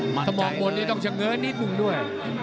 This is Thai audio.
มองบนนี้ต้องเฉงะซักนิดหนึ่งด้วย